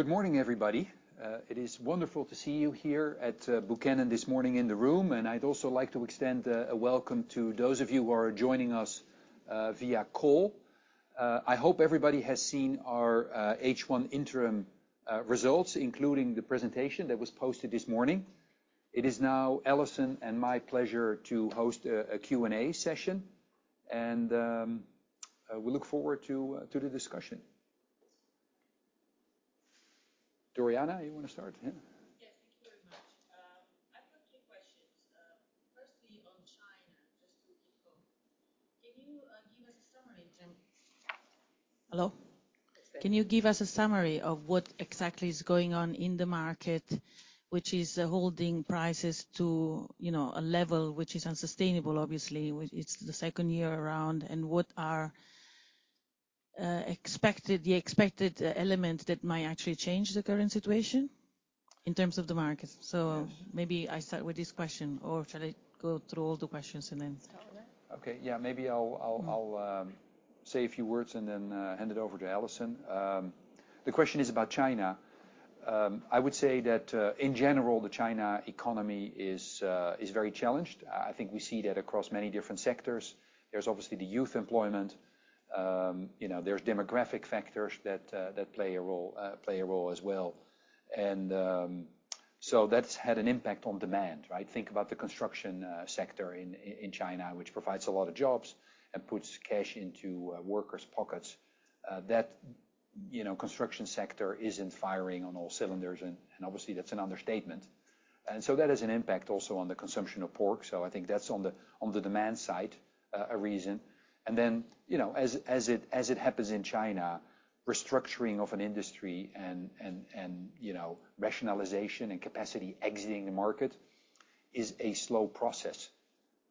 Good morning, everybody. It is wonderful to see you here at Buchanan this morning in the room. And I'd also like to extend a welcome to those of you who are joining us via call. I hope everybody has seen our H1 interim results, including the presentation that was posted this morning. It is now Alison and my pleasure to host a Q&A session. And we look forward to the discussion. Doriana, you wanna start? Yes, thank you very much. I've got two questions. Firstly, on China, just to kick off, can you give us a summary? Hello? Can you give us a summary of what exactly is going on in the market, which is holding prices to, you know, a level which is unsustainable, obviously? It's the second year around. And what are the expected elements that might actually change the current situation in terms of the market? So maybe I start with this question, or shall I go through all the questions and then? Okay. Yeah. Maybe I'll say a few words and then hand it over to Alison. The question is about China. I would say that, in general, the China economy is very challenged. I think we see that across many different sectors. There's obviously the youth employment. You know, there's demographic factors that play a role as well. So that's had an impact on demand, right? Think about the construction sector in China, which provides a lot of jobs and puts cash into workers' pockets. That, you know, construction sector isn't firing on all cylinders. And obviously, that's an understatement. And so that has an impact also on the consumption of pork. So I think that's on the demand side, a reason. Then, you know, as it happens in China, restructuring of an industry and, you know, rationalization and capacity exiting the market is a slow process.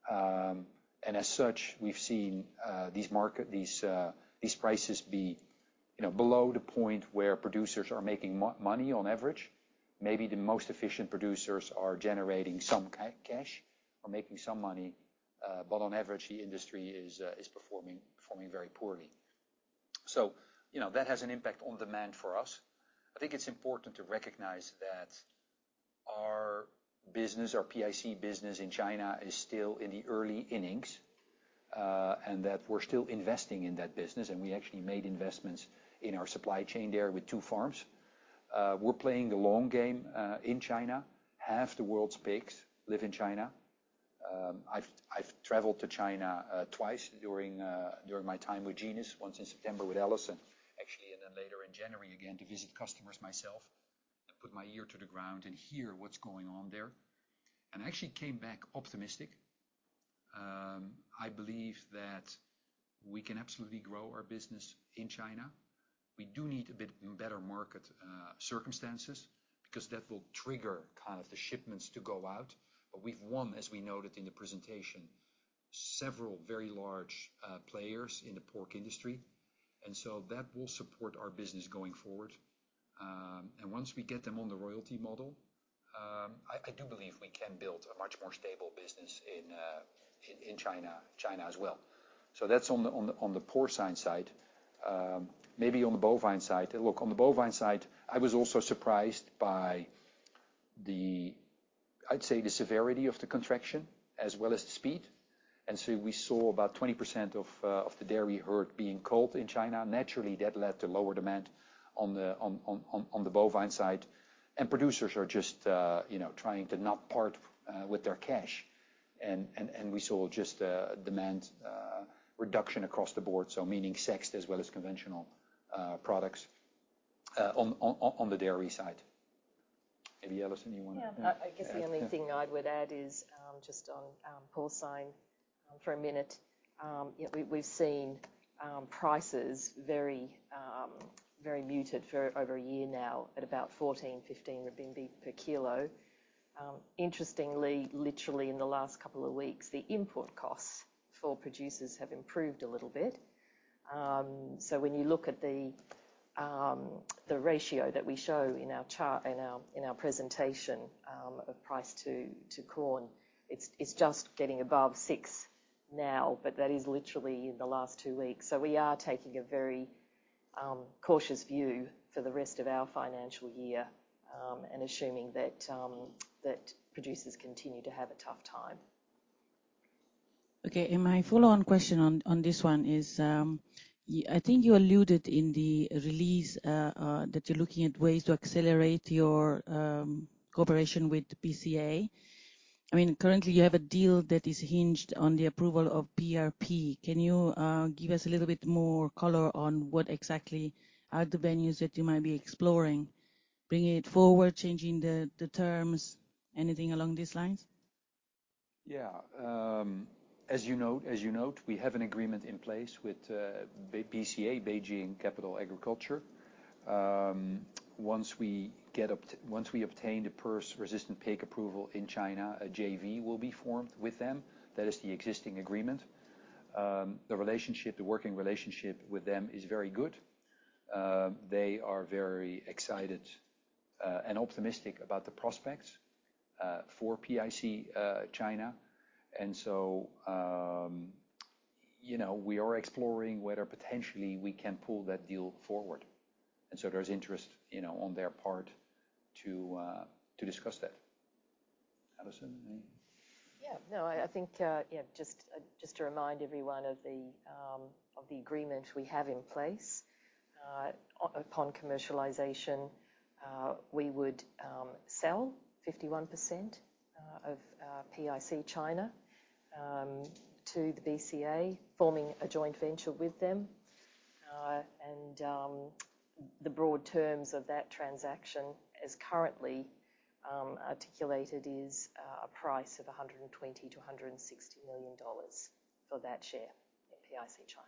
And as such, we've seen these prices be, you know, below the point where producers are making money on average. Maybe the most efficient producers are generating some cash or making some money. But on average, the industry is performing very poorly. So, you know, that has an impact on demand for us. I think it's important to recognize that our business, our PIC business in China is still in the early innings, and that we're still investing in that business. And we actually made investments in our supply chain there with two farms. We're playing the long game in China. Half the world's pigs live in China. I've traveled to China twice during my time with Genus, once in September with Alison, actually, and then later in January again to visit customers myself and put my ear to the ground and hear what's going on there. I actually came back optimistic. I believe that we can absolutely grow our business in China. We do need a bit better market circumstances because that will trigger kind of the shipments to go out. But we've won, as we noted in the presentation, several very large players in the pork industry. And so that will support our business going forward. Once we get them on the royalty model, I do believe we can build a much more stable business in China as well. So that's on the porcine side. Maybe on the bovine side. Look, on the bovine side, I was also surprised by the, I'd say, the severity of the contraction as well as the speed. And so we saw about 20% of the dairy herd being culled in China. Naturally, that led to lower demand on the bovine side. And producers are just, you know, trying to not part with their cash. And we saw just a demand reduction across the board, so meaning sexed as well as conventional products on the dairy side. Maybe Alison, you wanna? Yeah. I, I guess the only thing I would add is, just on porcine, for a minute, you know, we've, we've seen prices very, very muted for over a year now at about 14-15 per kilo. Interestingly, literally in the last couple of weeks, the input costs for producers have improved a little bit. So when you look at the, the ratio that we show in our chart in our in our presentation, of price to, to corn, it's, it's just getting above 6 now, but that is literally in the last two weeks. So we are taking a very cautious view for the rest of our financial year, and assuming that, that producers continue to have a tough time. Okay. And my follow-on question on this one is, you, I think, alluded in the release that you're looking at ways to accelerate your cooperation with BCA. I mean, currently, you have a deal that is hinged on the approval of PRP. Can you give us a little bit more color on what exactly are the venues that you might be exploring, bringing it forward, changing the terms, anything along these lines? Yeah. As you note, we have an agreement in place with BCA, Beijing Capital Agribusiness. Once we obtain the PRRS-resistant pig approval in China, a JV will be formed with them. That is the existing agreement. The working relationship with them is very good. They are very excited and optimistic about the prospects for PIC China. And so, you know, we are exploring whether potentially we can pull that deal forward. And so there's interest, you know, on their part to discuss that. Alison? No, I think, just to remind everyone of the agreement we have in place, upon commercialization, we would sell 51% of PIC China to the BCA, forming a joint venture with them. The broad terms of that transaction as currently articulated is a price of $120 million-$160 million for that share in PIC China.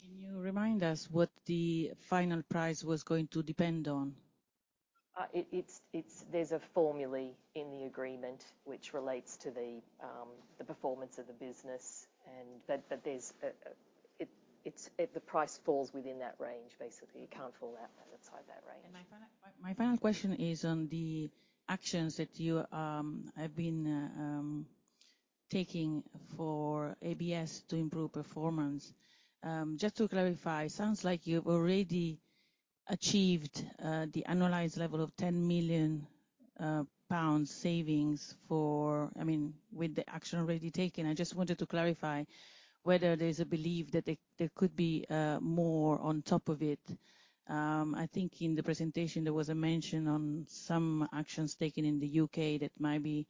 Can you remind us what the final price was going to depend on? There's a formula in the agreement which relates to the performance of the business and that the price falls within that range, basically. It can't fall outside that range. And my final question is on the actions that you have been taking for ABS to improve performance. Just to clarify, it sounds like you've already achieved the annualized level of 10 million pounds savings, I mean, with the action already taken. I just wanted to clarify whether there's a belief that there could be more on top of it. I think in the presentation, there was a mention on some actions taken in the U.K. that might be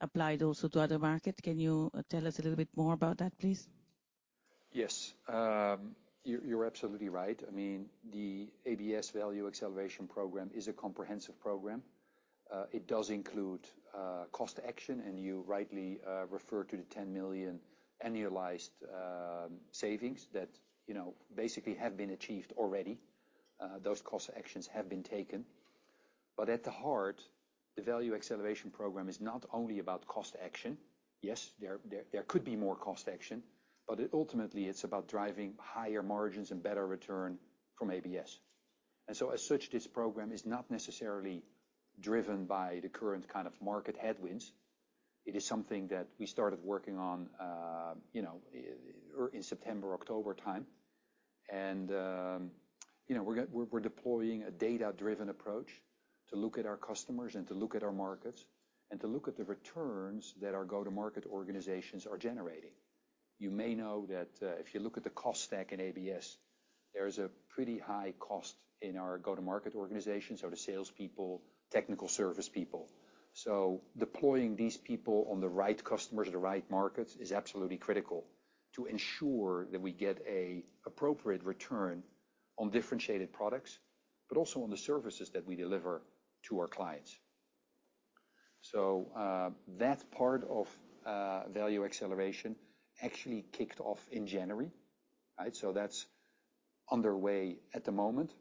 applied also to other markets. Can you tell us a little bit more about that, please? Yes. You're absolutely right. I mean, the ABS Value Acceleration Program is a comprehensive program. It does include cost action. And you rightly refer to the 10 million annualized savings that, you know, basically have been achieved already. Those cost actions have been taken. But at the heart, the Value Acceleration Program is not only about cost action. Yes, there could be more cost action. But ultimately, it's about driving higher margins and better return from ABS. And so as such, this program is not necessarily driven by the current kind of market headwinds. It is something that we started working on, you know, either or in September, October time. And, you know, we're deploying a data-driven approach to look at our customers and to look at our markets and to look at the returns that our go-to-market organizations are generating. You may know that, if you look at the cost stack in ABS, there is a pretty high cost in our go-to-market organization, so the salespeople, technical service people. So deploying these people on the right customers, the right markets is absolutely critical to ensure that we get an appropriate return on differentiated products, but also on the services that we deliver to our clients. So, that part of Value Acceleration actually kicked off in January, right? So that's underway at the moment.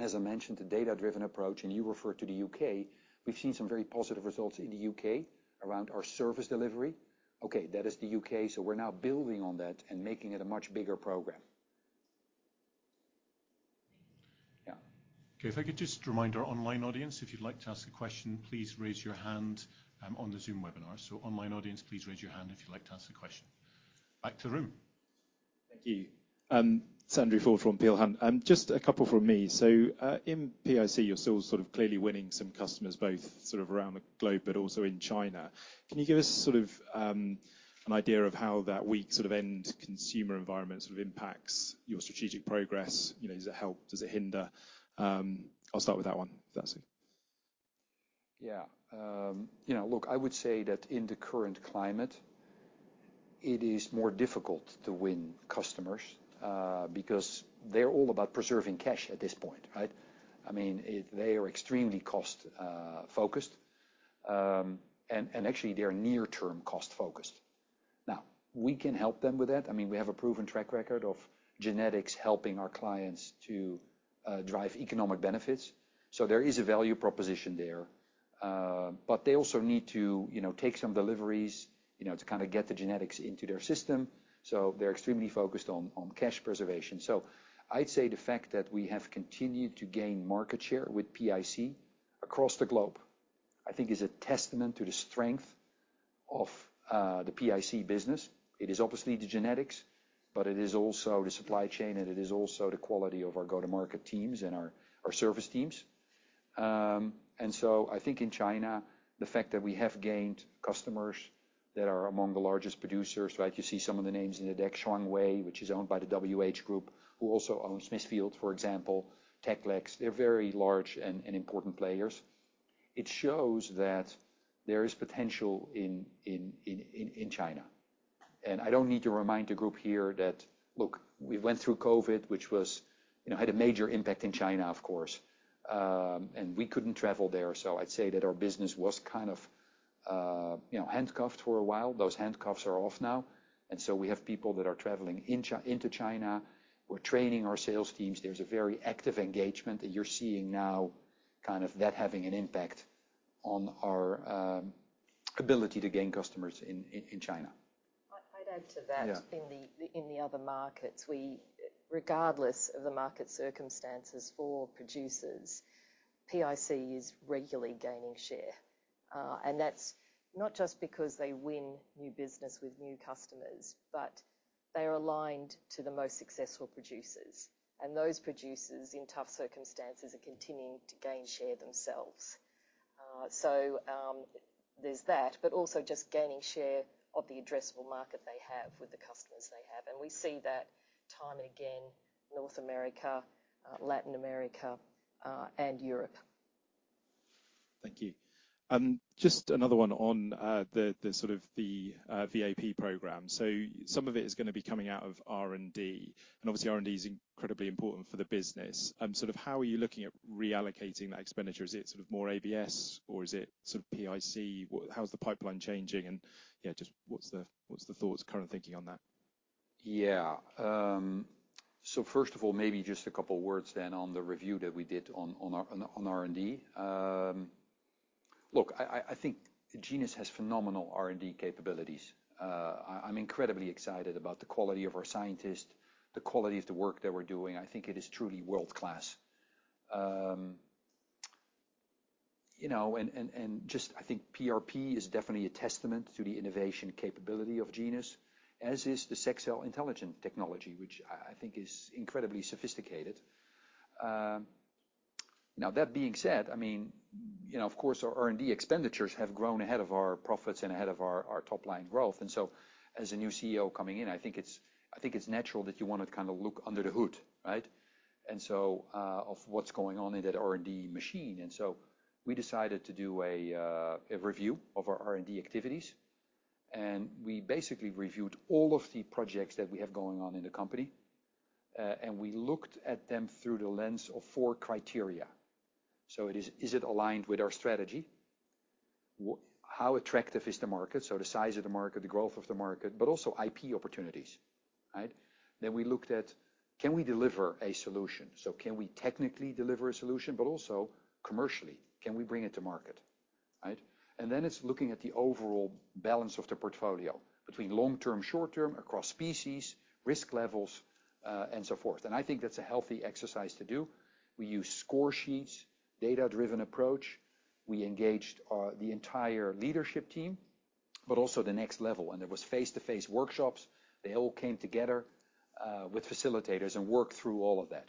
As I mentioned, the data-driven approach and you referred to the U.K., we've seen some very positive results in the U.K. around our service delivery. Okay. That is the U.K. So we're now building on that and making it a much bigger program. Yeah. Okay. If I could just remind our online audience, if you'd like to ask a question, please raise your hand on the Zoom webinar. Online audience, please raise your hand if you'd like to ask a question. Back to the room. Thank you. Sandra Ford from Peel Hunt. Just a couple from me. So, in PIC, you're still sort of clearly winning some customers both sort of around the globe but also in China. Can you give us sort of an idea of how that weak sort of end consumer environment sort of impacts your strategic progress? You know, does it help? Does it hinder? I'll start with that one, if that's okay. Yeah, you know, look, I would say that in the current climate, it is more difficult to win customers, because they're all about preserving cash at this point, right? I mean, they are extremely cost-focused, and actually, they're near-term cost-focused. Now, we can help them with that. I mean, we have a proven track record of genetics helping our clients to drive economic benefits. So there is a value proposition there. But they also need to, you know, take some deliveries, you know, to kind of get the genetics into their system. So they're extremely focused on cash preservation. So I'd say the fact that we have continued to gain market share with PIC across the globe, I think, is a testament to the strength of the PIC business. It is obviously the genetics, but it is also the supply chain, and it is also the quality of our go-to-market teams and our service teams. So I think in China, the fact that we have gained customers that are among the largest producers, right, you see some of the names in the deck, Shuanghui, which is owned by the WH Group, who also owns Smithfield, for example, Techlex. They're very large and important players. It shows that there is potential in China. I don't need to remind the group here that, look, we went through COVID, which was you know, had a major impact in China, of course. We couldn't travel there. So I'd say that our business was kind of, you know, handcuffed for a while. Those handcuffs are off now. And so we have people that are traveling into China. We're training our sales teams. There's a very active engagement. And you're seeing now kind of that having an impact on our ability to gain customers in China. I'd add to that. Yeah. In the other markets, regardless of the market circumstances for producers, PIC is regularly gaining share. That's not just because they win new business with new customers, but they are aligned to the most successful producers. Those producers, in tough circumstances, are continuing to gain share themselves. So, there's that, but also just gaining share of the addressable market they have with the customers they have. We see that time and again, North America, Latin America, and Europe. Thank you. Just another one on the sort of VAP program. So some of it is gonna be coming out of R&D. And obviously, R&D is incredibly important for the business. Sort of how are you looking at reallocating that expenditure? Is it sort of more ABS, or is it sort of PIC? What, how's the pipeline changing? And, yeah, just what's the current thinking on that? Yeah. So first of all, maybe just a couple of words then on the review that we did on our R&D. Look, I think Genus has phenomenal R&D capabilities. I'm incredibly excited about the quality of our scientists, the quality of the work that we're doing. I think it is truly world-class. You know, and just I think PRP is definitely a testament to the innovation capability of Genus, as is the sexed semen intelligence technology, which I think is incredibly sophisticated. Now, that being said, I mean, you know, of course, our R&D expenditures have grown ahead of our profits and ahead of our top-line growth. So as a new CEO coming in, I think it's natural that you wanna kind of look under the hood, right? And so, of what's going on in that R&D machine. And so we decided to do a, a review of our R&D activities. And we basically reviewed all of the projects that we have going on in the company. And we looked at them through the lens of four criteria. So it is it aligned with our strategy? Well, how attractive is the market? So the size of the market, the growth of the market, but also IP opportunities, right? Then we looked at, can we deliver a solution? So can we technically deliver a solution, but also commercially, can we bring it to market, right? And then it's looking at the overall balance of the portfolio between long-term, short-term, across species, risk levels, and so forth. And I think that's a healthy exercise to do. We use score sheets, data-driven approach. We engaged the entire leadership team, but also the next level. There was face-to-face workshops. They all came together with facilitators and worked through all of that.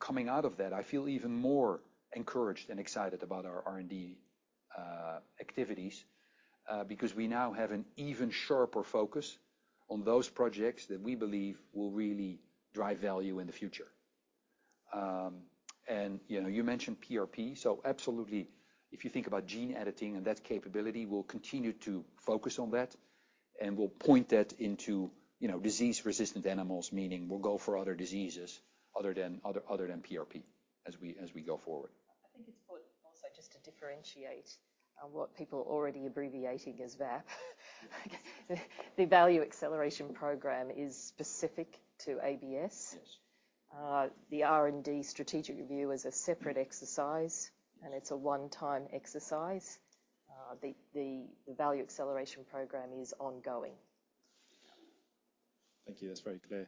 Coming out of that, I feel even more encouraged and excited about our R&D activities, because we now have an even sharper focus on those projects that we believe will really drive value in the future. You know, you mentioned PRP. So absolutely, if you think about gene editing and that capability, we'll continue to focus on that. And we'll point that into, you know, disease-resistant animals, meaning we'll go for other diseases other than PRP as we go forward. I think it's important also just to differentiate what people are already abbreviating as VAP. The Value Acceleration Program is specific to ABS. The R&D strategic review is a separate exercise, and it's a one-time exercise. The Value Acceleration Program is ongoing. Thank you. That's very clear.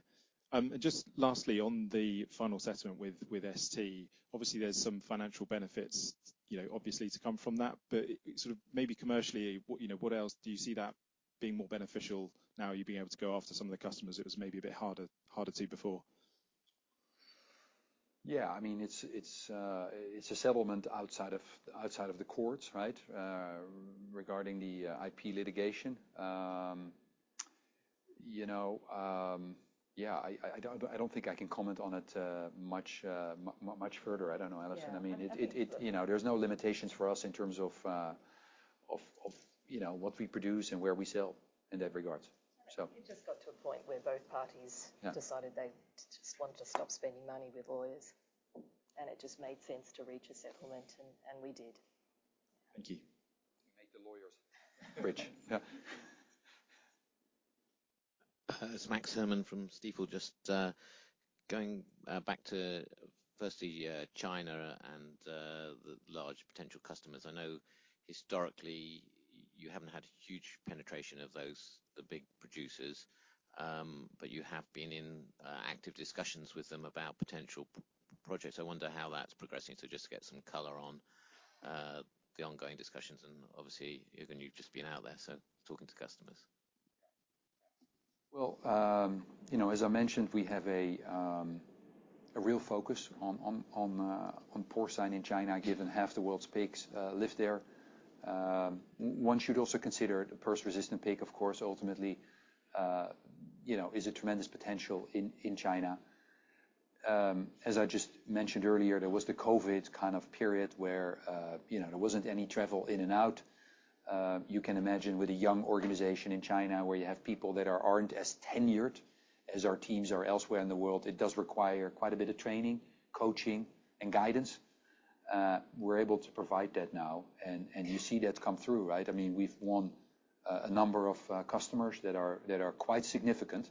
Just lastly, on the final settlement with, with STgenetics, obviously, there's some financial benefits, you know, obviously, to come from that. But sort of maybe commercially, what you know, what else do you see that being more beneficial now? Are you being able to go after some of the customers it was maybe a bit harder harder to before? Yeah. I mean, it's a settlement outside of the courts, right, regarding the IP litigation. You know, yeah, I don't think I can comment on it much further. I don't know, Alison. I mean. You know, there's no limitations for us in terms of, you know, what we produce and where we sell in that regard, so. It just got to a point where both parties. Yeah. Decided they just wanted to stop spending money with lawyers. And it just made sense to reach a settlement, and we did. Thank you. Make the lawyers. Bridge. Yeah. It's Max Herrmann from Stifel. Just going back to, firstly, China and the large potential customers. I know historically you haven't had huge penetration of those, the big producers, but you have been in active discussions with them about potential projects. I wonder how that's progressing. So just to get some color on the ongoing discussions. And obviously, Jorgen, you've just been out there, so talking to customers. Well, you know, as I mentioned, we have a real focus on porcine in China, given half the world's pigs live there. One should also consider the PRRS-resistant pig, of course, ultimately. You know, is a tremendous potential in China. As I just mentioned earlier, there was the COVID kind of period where, you know, there wasn't any travel in and out. You can imagine with a young organization in China where you have people that aren't as tenured as our teams are elsewhere in the world, it does require quite a bit of training, coaching, and guidance. We're able to provide that now. And you see that come through, right? I mean, we've won a number of customers that are quite significant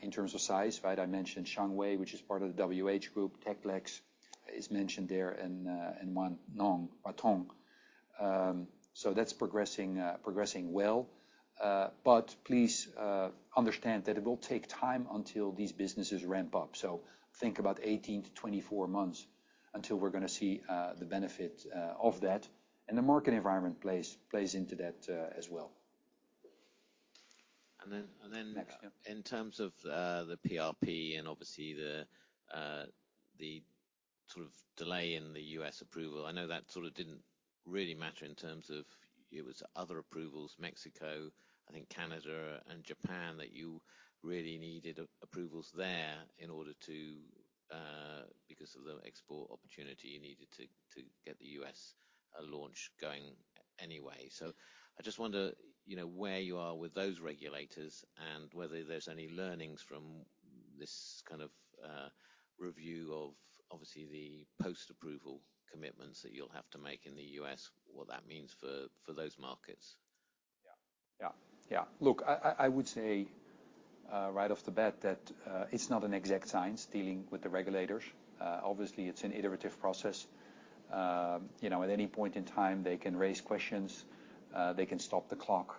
in terms of size, right? I mentioned Shuanghui, which is part of the WH Group. Techlex is mentioned there and Wannong or Tong. So that's progressing well. But please understand that it will take time until these businesses ramp up. So think about 18-24 months until we're gonna see the benefit of that. And the market environment plays into that, as well. And then. In terms of the PRP and obviously the sort of delay in the U.S. approval, I know that sort of didn't really matter in terms of it was other approvals, Mexico, I think, Canada, and Japan that you really needed approvals there in order to because of the export opportunity, you needed to get the U.S. launch going anyway. So I just wonder, you know, where you are with those regulators and whether there's any learnings from this kind of review of obviously the post-approval commitments that you'll have to make in the U.S., what that means for those markets? Yeah. Yeah. Yeah. Look, I, I, I would say right off the bat that it's not an exact science dealing with the regulators. Obviously, it's an iterative process. You know, at any point in time, they can raise questions. They can stop the clock.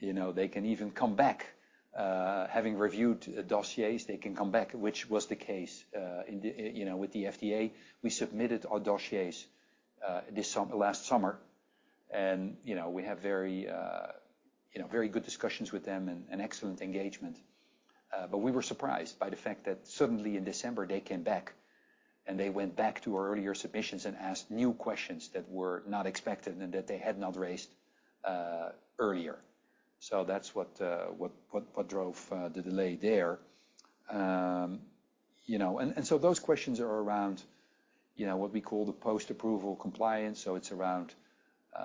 You know, they can even come back, having reviewed dossiers. They can come back, which was the case, you know, with the FDA. We submitted our dossiers this summer last summer. And you know, we have very, you know, very good discussions with them and excellent engagement. But we were surprised by the fact that suddenly in December, they came back, and they went back to our earlier submissions and asked new questions that were not expected and that they had not raised earlier. So that's what, what, what, what drove the delay there. You know, and so those questions are around, you know, what we call the post-approval compliance. So it's around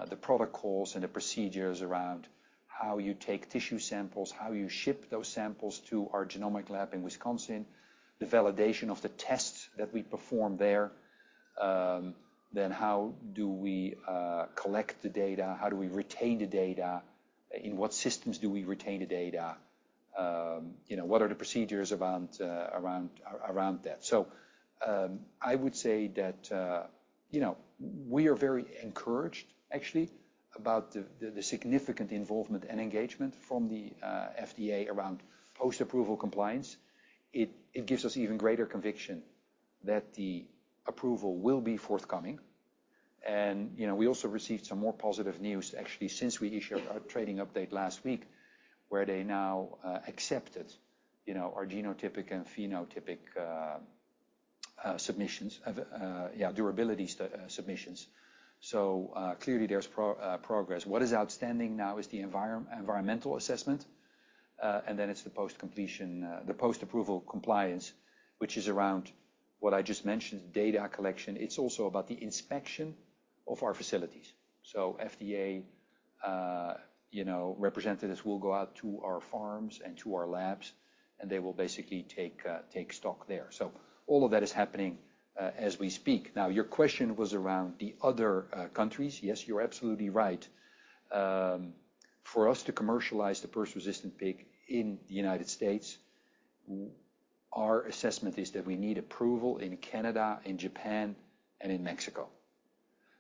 the protocols and the procedures around how you take tissue samples, how you ship those samples to our genomic lab in Wisconsin, the validation of the tests that we perform there. Then how do we collect the data? How do we retain the data? In what systems do we retain the data? You know, what are the procedures around that? So, I would say that, you know, we are very encouraged, actually, about the significant involvement and engagement from the FDA around post-approval compliance. It gives us even greater conviction that the approval will be forthcoming. You know, we also received some more positive news, actually, since we issued our trading update last week where they now accepted, you know, our genotypic and phenotypic submissions of, yeah, durability study submissions. So, clearly, there's progress. What is outstanding now is the environmental assessment, and then it's the post-approval compliance, which is around what I just mentioned, data collection. It's also about the inspection of our facilities. So FDA, you know, representatives will go out to our farms and to our labs, and they will basically take stock there. So all of that is happening, as we speak. Now, your question was around the other countries. Yes, you're absolutely right. For us to commercialize the PRRS-resistant pig in the United States, our assessment is that we need approval in Canada, in Japan, and in Mexico.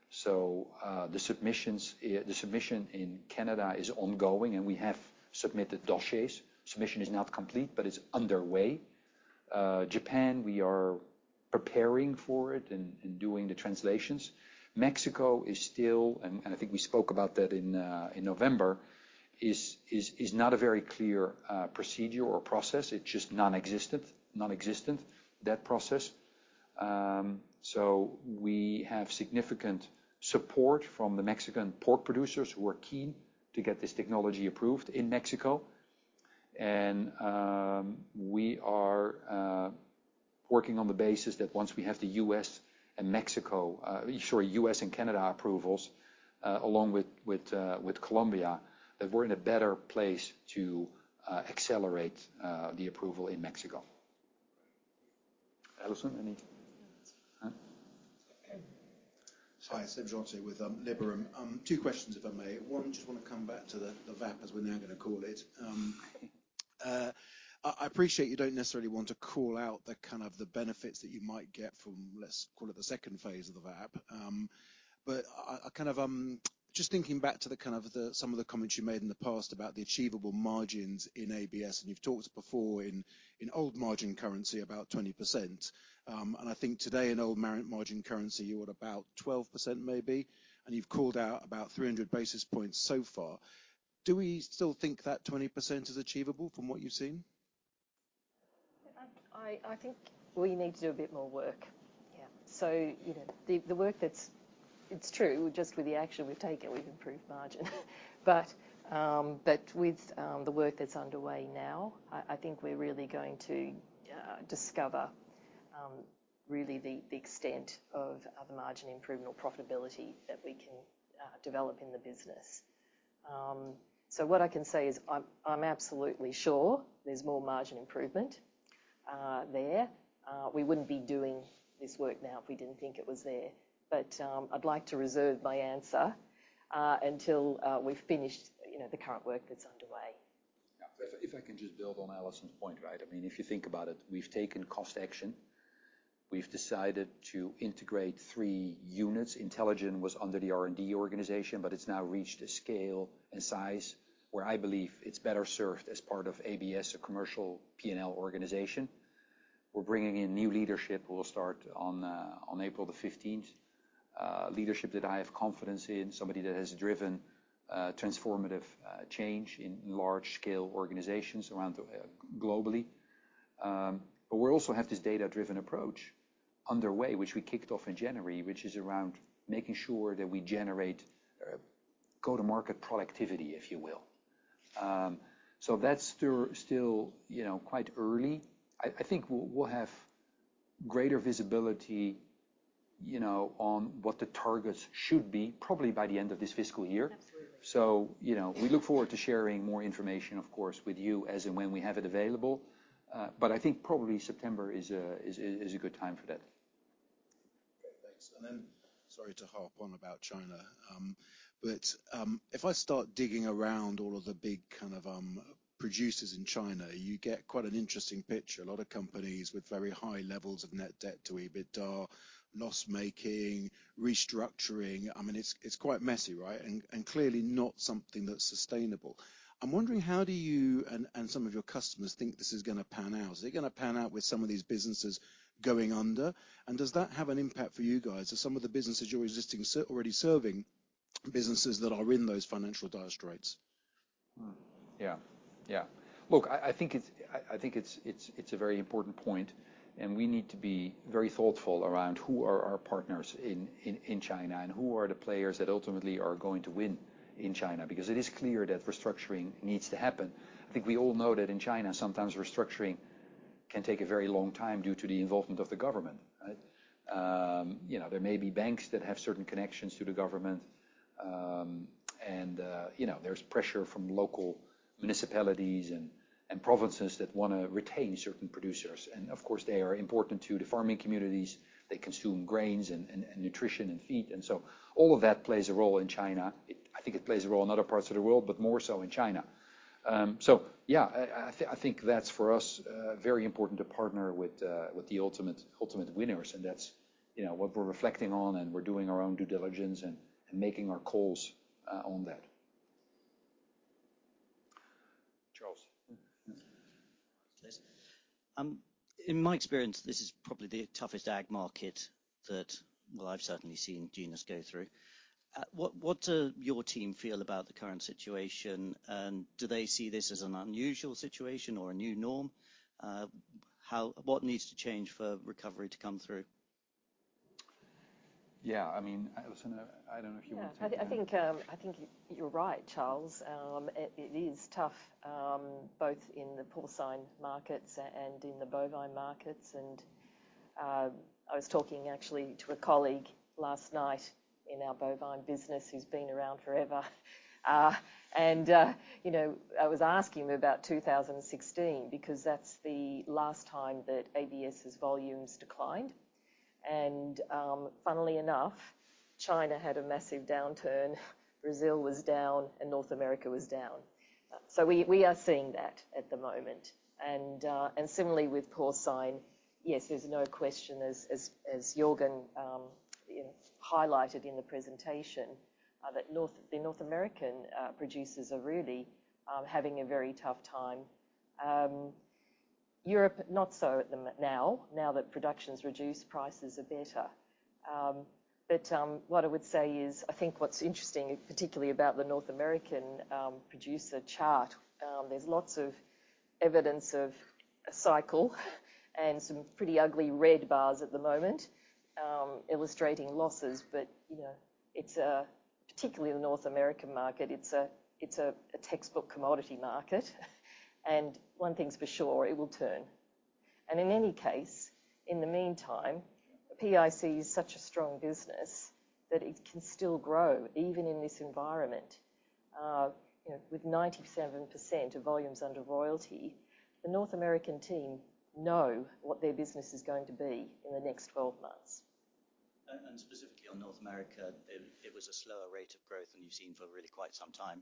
So, the submission in Canada is ongoing, and we have submitted dossiers. Submission is not complete, but it's underway. Japan, we are preparing for it and doing the translations. Mexico is still, and I think we spoke about that in November. It is not a very clear procedure or process. It's just nonexistent, that process. So we have significant support from the Mexican pork producers who are keen to get this technology approved in Mexico. And we are working on the basis that once we have the US and Canada approvals, along with Colombia, that we're in a better place to accelerate the approval in Mexico. Alison, any? Huh? Sorry. It's Jorge with Liberum. Two questions, if I may. One, just wanna come back to the VAP as we're now gonna call it. I kind of just thinking back to some of the comments you made in the past about the achievable margins in ABS. And you've talked before in old margin currency about 20%. And I think today in old margin currency, you're at about 12% maybe. And you've called out about 300 basis points so far. Do we still think that 20% is achievable from what you've seen? I think we need to do a bit more work. Yeah. So, you know, the work that's—it's true. Just with the action we've taken, we've improved margin. But with the work that's underway now, I think we're really going to discover really the extent of the margin improvement or profitability that we can develop in the business. So what I can say is I'm absolutely sure there's more margin improvement there. We wouldn't be doing this work now if we didn't think it was there. But I'd like to reserve my answer until we've finished, you know, the current work that's underway. Yeah. If I can just build on Alison's point, right? I mean, if you think about it, we've taken cost action. We've decided to integrate three units. IntelliGen was under the R&D organization, but it's now reached a scale and size where I believe it's better served as part of ABS, a commercial P&L organization. We're bringing in new leadership. We'll start on April the 15th, leadership that I have confidence in, somebody that has driven transformative change in large-scale organizations around the globe. But we also have this data-driven approach underway, which we kicked off in January, which is around making sure that we generate go-to-market productivity, if you will. So that's still, you know, quite early. I think we'll have greater visibility, you know, on what the targets should be, probably by the end of this fiscal year. You know, we look forward to sharing more information, of course, with you as and when we have it available. But I think probably September is a good time for that. Great. Thanks. And then sorry to hop on about China. But if I start digging around all of the big kind of producers in China, you get quite an interesting picture. A lot of companies with very high levels of net debt to EBITDA, loss-making, restructuring. I mean, it's, it's quite messy, right? And, and clearly not something that's sustainable. I'm wondering, how do you and, and some of your customers think this is gonna pan out? Is it gonna pan out with some of these businesses going under? And does that have an impact for you guys? Are some of the businesses you are already serving businesses that are in those financial disasters? Yeah. Yeah. Look, I think it's a very important point. And we need to be very thoughtful around who are our partners in China and who are the players that ultimately are going to win in China because it is clear that restructuring needs to happen. I think we all know that in China, sometimes restructuring can take a very long time due to the involvement of the government, right? You know, there may be banks that have certain connections to the government. And you know, there's pressure from local municipalities and provinces that wanna retain certain producers. And of course, they are important to the farming communities. They consume grains and nutrition and feed. And so all of that plays a role in China. I think it plays a role in other parts of the world, but more so in China. So yeah, I think that's for us very important to partner with the ultimate winners. And that's, you know, what we're reflecting on, and we're doing our own due diligence and making our calls on that. Charles. Yes. In my experience, this is probably the toughest ag market that, well, I've certainly seen Genus go through. What your team feel about the current situation? Do they see this as an unusual situation or a new norm? What needs to change for recovery to come through? Yeah. I mean, Alison, I don't know if you wanna take that. Yeah. I think you're right, Charles. It is tough, both in the porcine markets and in the bovine markets. And I was talking actually to a colleague last night in our bovine business who's been around forever. And you know, I was asking about 2016 because that's the last time that ABS's volumes declined. And funnily enough, China had a massive downturn. Brazil was down, and North America was down. So we are seeing that at the moment. And similarly with porcine, yes, there's no question, as Jorgen, you know, highlighted in the presentation, that North American producers are really having a very tough time. Europe, not so much now that production's reduced, prices are better. What I would say is I think what's interesting, particularly about the North American producer chart, there's lots of evidence of a cycle and some pretty ugly red bars at the moment, illustrating losses. But, you know, it's particularly in the North American market, it's a textbook commodity market. And one thing's for sure, it will turn. And in any case, in the meantime, PIC is such a strong business that it can still grow even in this environment. You know, with 97% of volumes under royalty, the North American team know what their business is going to be in the next 12 months. Specifically on North America, there was a slower rate of growth than you've seen for really quite some time.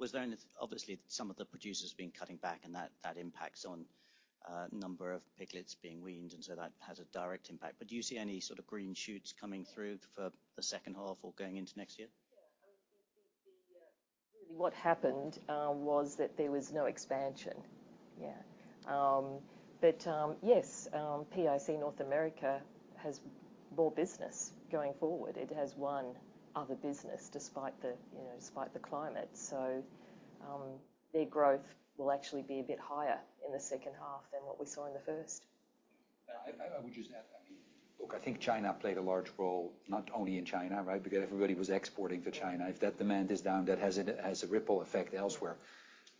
Was there any? Obviously, some of the producers have been cutting back, and that impacts on number of piglets being weaned. And so that has a direct impact. But do you see any sort of green shoots coming through for the second half or going into next year? Yeah. I mean, really, what happened was that there was no expansion. Yeah. But yes, PIC North America has more business going forward. It has won other business despite the, you know, despite the climate. So, their growth will actually be a bit higher in the second half than what we saw in the first. Yeah. I would just add, I mean, look, I think China played a large role not only in China, right, because everybody was exporting to China. If that demand is down, that has a ripple effect elsewhere.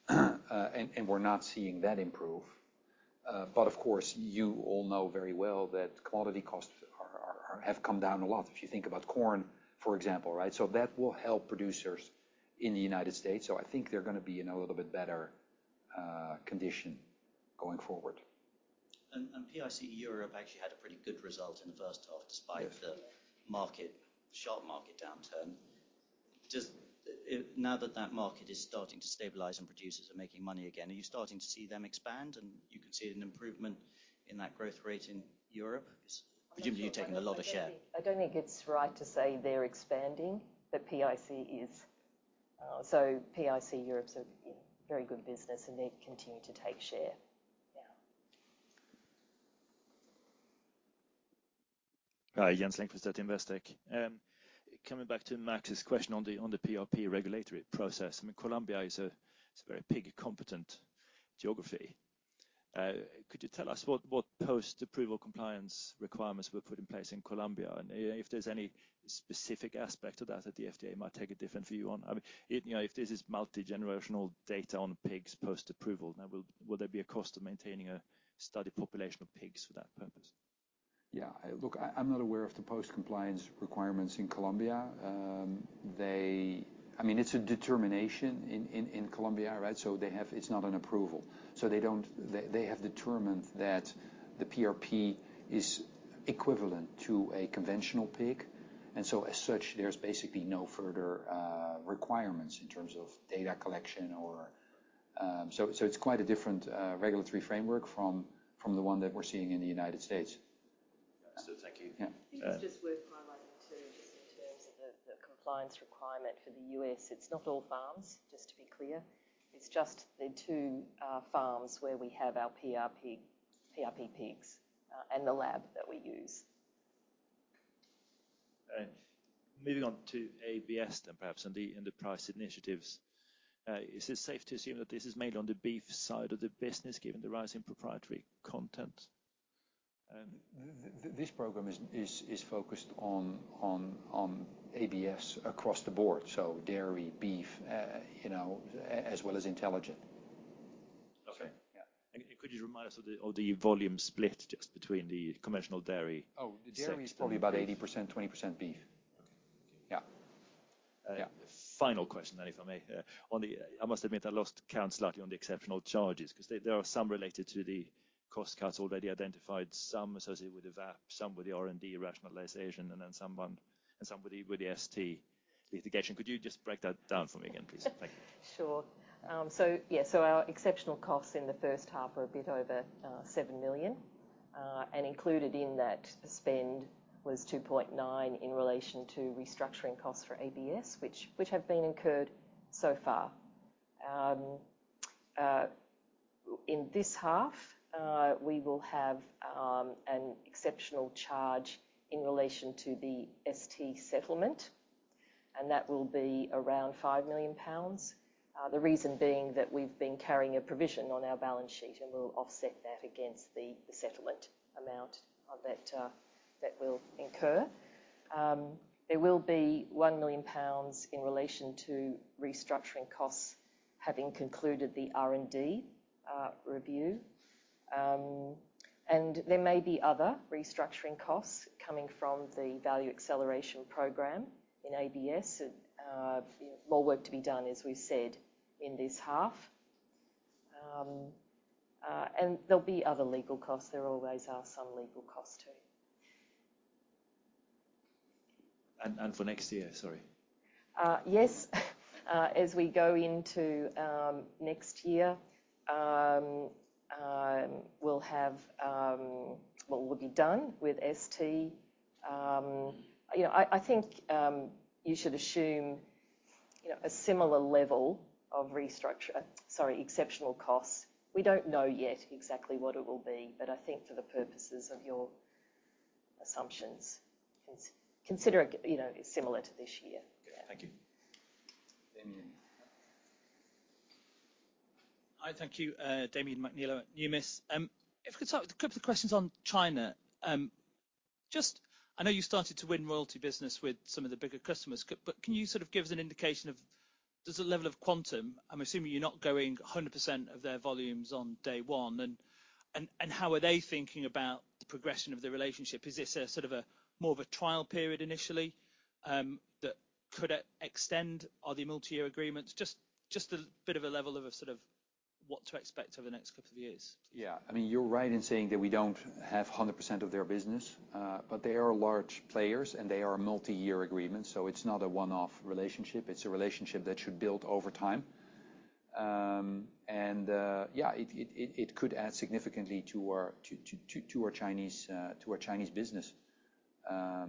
And we're not seeing that improve. But of course, you all know very well that commodity costs have come down a lot if you think about corn, for example, right? So that will help producers in the United States. So I think they're gonna be in a little bit better condition going forward. PIC Europe actually had a pretty good result in the first half despite the sharp market downturn. Now that the market is starting to stabilize and producers are making money again, are you starting to see them expand? And can you see an improvement in that growth rate in Europe? Presumably, you're taking a lot of share. I don't think it's right to say they're expanding, but PIC is, so PIC Europe's a, you know, very good business, and they continue to take share. Yeah. Jens Lindqvist at Investec. Coming back to Max's question on the PRP regulatory process, I mean, Colombia is a it's a very pig-competent geography. Could you tell us what post-approval compliance requirements were put in place in Colombia? And, if there's any specific aspect of that that the FDA might take a different view on. I mean, you know, if this is multi-generational data on pigs post-approval, will there be a cost of maintaining a study population of pigs for that purpose? Yeah. Look, I'm not aware of the post-compliance requirements in Colombia. I mean, it's a determination in Colombia, right? So they have determined that the PRP is equivalent to a conventional pig. And so as such, there's basically no further requirements in terms of data collection or so, it's quite a different regulatory framework from the one that we're seeing in the United States. Yeah. So thank you. Yeah. I think it's just worth highlighting too just in terms of the compliance requirement for the U.S. It's not all farms, just to be clear. It's just the two farms where we have our PRP PRP pigs, and the lab that we use. Moving on to ABS, then perhaps the price initiatives, is it safe to assume that this is mainly on the beef side of the business given the rising proprietary content? This program is focused on ABS across the board, so dairy, beef, you know, as well as IntelliGen. Okay. Yeah. Could you remind us of the volume split just between the conventional dairy sectors? Oh, the dairy is probably about 80%, 20% beef. Okay. Thank you. Yeah. Final question then, if I may. On the, I must admit, I lost count slightly on the exceptional charges 'cause they, there are some related to the cost cuts already identified, some associated with the VAP, some with the R&D rationalization, and then some with the ST litigation. Could you just break that down for me again, please? Thank you. Sure. So yeah. So our exceptional costs in the first half are a bit over 7 million. And included in that spend was 2.9 million in relation to restructuring costs for ABS, which have been incurred so far. In this half, we will have an exceptional charge in relation to the ST settlement. And that will be around 5 million pounds. The reason being that we've been carrying a provision on our balance sheet, and we'll offset that against the settlement amount that will incur. There will be 1 million pounds in relation to restructuring costs having concluded the R&D review. And there may be other restructuring costs coming from the value acceleration program in ABS. You know, more work to be done, as we've said, in this half. And there'll be other legal costs. There always are some legal costs too. And for next year, sorry? Yes. As we go into next year, we'll have what will be done with ST, you know, I think you should assume, you know, a similar level of restructure, sorry, exceptional costs. We don't know yet exactly what it will be, but I think for the purposes of your assumptions, consider, you know, it's similar to this year. Okay. Thank you. Damian. Hi. Thank you, Damian McNeela at Numis. If we could start with a couple of questions on China. Just, I know you started to win royalty business with some of the bigger customers. But can you sort of give us an indication of does the level of quantum? I'm assuming you're not going 100% of their volumes on day one. And, and, and how are they thinking about the progression of the relationship? Is this a sort of a more of a trial period initially, that could extend all the multi-year agreements? Just, just a bit of a level of a sort of what to expect over the next couple of years. Yeah. I mean, you're right in saying that we don't have 100% of their business. But they are large players, and they are multi-year agreements. So it's not a one-off relationship. It's a relationship that should build over time. Yeah, it could add significantly to our Chinese business. Okay.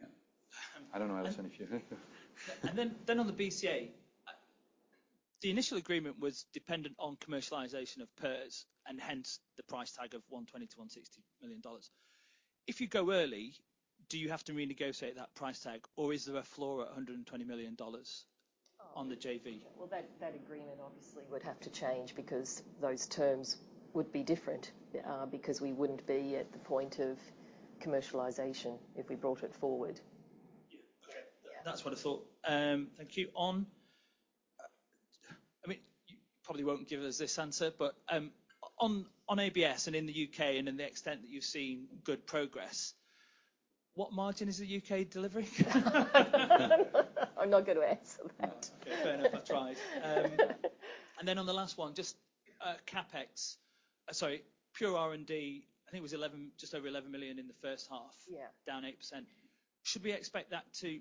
Yeah. I don't know, Alison, if you. Then on the BCA, the initial agreement was dependent on commercialization of PRRS and hence the price tag of $120 million-$160 million. If you go early, do you have to renegotiate that price tag, or is there a floor at $120 million on the JV? Well, that agreement obviously would have to change because those terms would be different, because we wouldn't be at the point of commercialization if we brought it forward. Yeah. Okay. That's what I thought. Thank you. On, I mean, you probably won't give us this answer, but, on, on ABS and in the U.K. and in the extent that you've seen good progress, what margin is the U.K. delivering? I'm not good at answering that. Fair enough. I tried, and then on the last one, just CapEx, sorry, pure R&D, I think it was just over 11 million in the first half. Yeah. Down 8%. Should we expect that to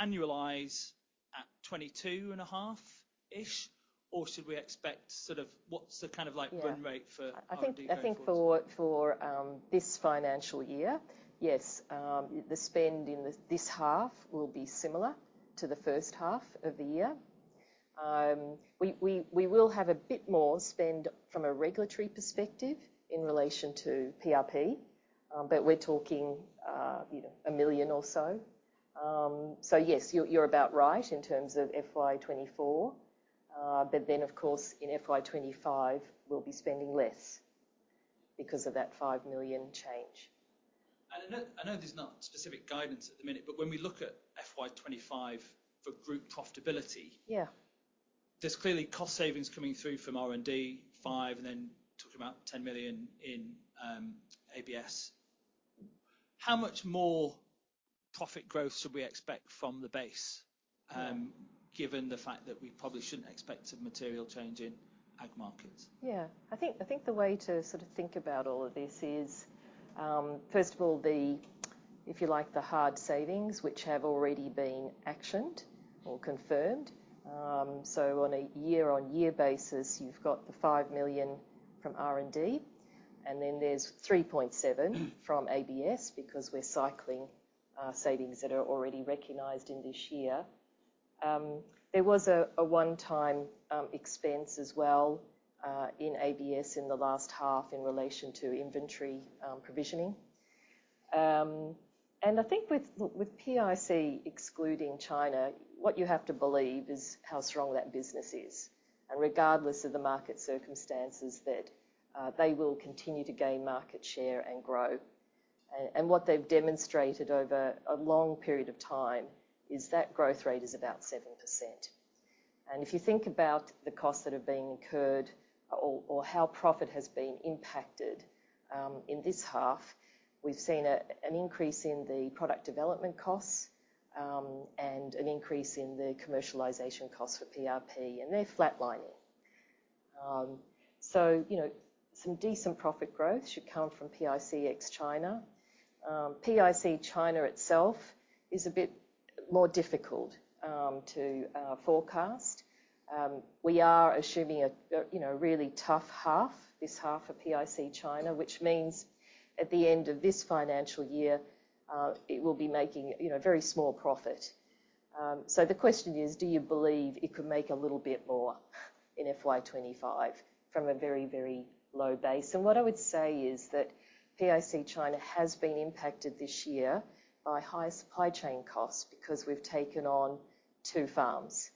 annualize at 22.5-ish, or should we expect sort of what's the kind of, like, run rate for the U.S.? Yeah. I think for this financial year, yes, the spend in this half will be similar to the first half of the year. We will have a bit more spend from a regulatory perspective in relation to PRP, but we're talking, you know, 1 million or so. So yes, you're about right in terms of FY 2024. But then, of course, in FY 2025, we'll be spending less because of that 5 million change. I know there's no specific guidance at the minute, but when we look at FY 2025 for group profitability. Yeah. There's clearly cost savings coming through from R&D, 5 million, and then talking about 10 million in ABS. How much more profit growth should we expect from the base, given the fact that we probably shouldn't expect some material change in ag markets? Yeah. I think I think the way to sort of think about all of this is, first of all, the if you like, the hard savings, which have already been actioned or confirmed. On a year-on-year basis, you've got the 5 million from R&D, and then there's 3.7 million from ABS because we're cycling savings that are already recognized in this year. There was a one-time expense as well, in ABS in the last half in relation to inventory provisioning. And I think with PIC excluding China, what you have to believe is how strong that business is. And regardless of the market circumstances, they will continue to gain market share and grow. And what they've demonstrated over a long period of time is that growth rate is about 7%. And if you think about the costs that have been incurred or how profit has been impacted, in this half, we've seen an increase in the product development costs, and an increase in the commercialization costs for PRP, and they're flatlining. So, you know, some decent profit growth should come from PIC ex-China. PIC China itself is a bit more difficult to forecast. We are assuming a you know, a really tough half, this half of PIC China, which means at the end of this financial year, it will be making, you know, very small profit. So the question is, do you believe it could make a little bit more in FY 2025 from a very, very low base? And what I would say is that PIC China has been impacted this year by higher supply chain costs because we've taken on two farms.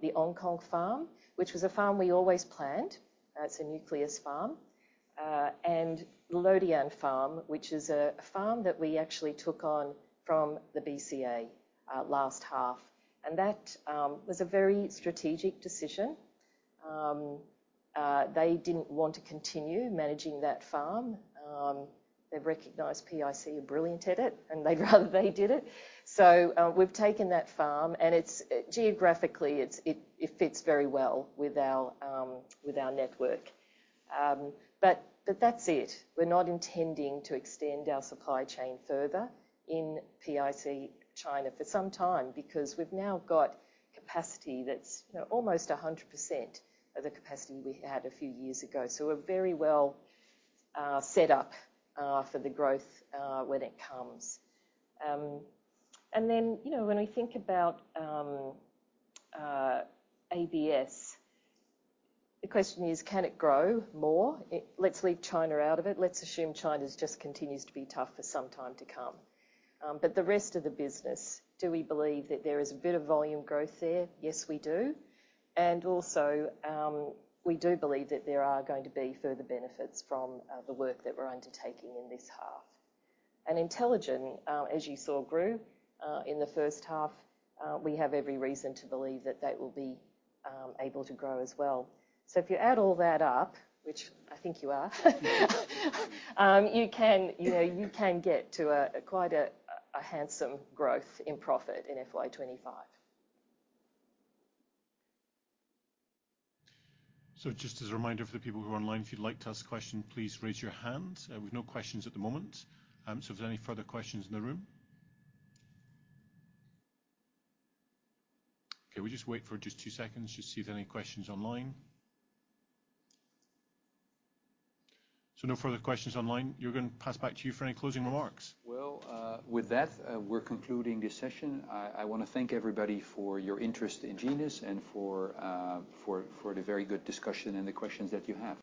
The Hong Kong farm, which was a farm we always planned. It's a nucleus farm. And the Luodian farm, which is a farm that we actually took on from the BCA last half. And that was a very strategic decision. They didn't want to continue managing that farm. They've recognized PIC are brilliant at it, and they'd rather they did it. So we've taken that farm, and it's geographically, it fits very well with our network. But that's it. We're not intending to extend our supply chain further in PIC China for some time because we've now got capacity that's, you know, almost 100% of the capacity we had a few years ago. So we're very well set up for the growth when it comes. And then, you know, when we think about ABS, the question is, can it grow more? Let's leave China out of it. Let's assume China just continues to be tough for some time to come. But the rest of the business, do we believe that there is a bit of volume growth there? Yes, we do. And also, we do believe that there are going to be further benefits from the work that we're undertaking in this half. And IntelliGen, as you saw, grew in the first half; we have every reason to believe that that will be able to grow as well. So if you add all that up, which I think you are, you can, you know, get to quite a handsome growth in profit in FY 2025. So just as a reminder for the people who are online, if you'd like to ask a question, please raise your hand. We've no questions at the moment. So if there's any further questions in the room? Okay. We'll just wait for just two seconds just to see if there are any questions online. So no further questions online. Jorgen, pass back to you for any closing remarks. Well, with that, we're concluding this session. I wanna thank everybody for your interest in Genus and for the very good discussion and the questions that you have.